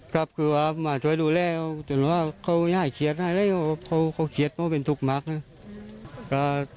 ก็คือมาช่วยดูแลจนว่าเขาใหญ่เคลียร์ได้ที่ดูว่าเขาเคลียร์แล้วเป็นถุกมัก